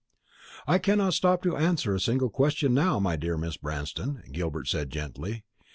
"I cannot stop to answer a single question now, my dear Mrs. Branston," Gilbert said gently.